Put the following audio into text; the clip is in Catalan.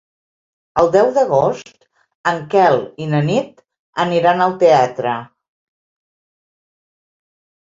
El deu d'agost en Quel i na Nit aniran al teatre.